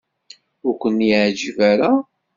Ur ken-yeɛjib ara?